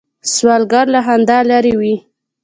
سوالګر له خندا لرې وي